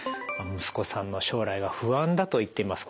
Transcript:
息子さんの将来が不安だと言っています。